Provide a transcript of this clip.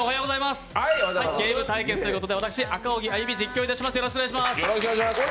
ゲーム対決ということで私、赤荻歩、実況いたします！